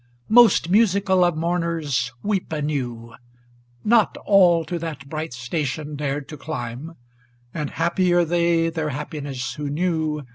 Most musical of mourners, weep anew ! Not all to that bright station dared to climb; And happier they their happiness who knew.